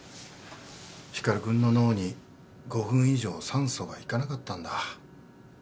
光君の脳に５分以上酸素がいかなかったんだ。